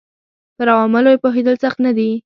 پر عواملو یې پوهېدل سخت نه دي